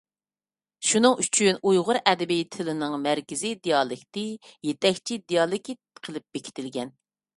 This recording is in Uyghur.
شۇنىڭ ئۈچۈن ئۇيغۇر ئەدەبىي تىلىنىڭ مەركىزىي دىئالېكتى يېتەكچى دىئالېكت قىلىپ بېكىتىلگەن.